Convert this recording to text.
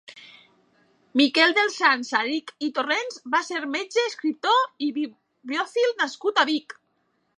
Miquel dels Sants Salarich i Torrents va ser un metge, escriptor i bibliòfil nascut a Vic.